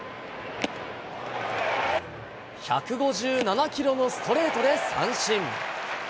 １５７キロのストレートで三振。